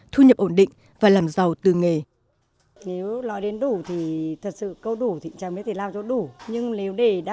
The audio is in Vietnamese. thu nhập ổn định và làm giàu từ nghề